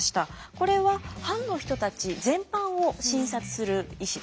これは藩の人たち全般を診察する医師です。